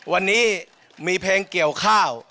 วันนี้มีเพลงเกี่ยวข้าว